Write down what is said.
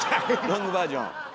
ロングバージョン。